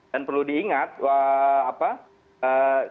dan perlu diingat